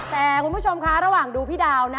แต่คุณผู้ชมคะระหว่างดูพี่ดาวนะ